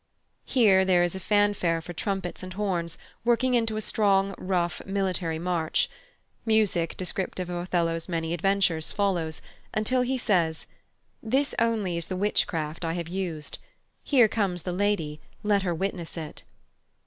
Here there is a fanfare for trumpets and horns working into a strong, rough military march. Music descriptive of Othello's many adventures follows, until he says: This only is the witchcraft I have us'd Here comes the lady; let her witness it.